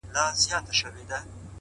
هغه قبرو ته ورځم _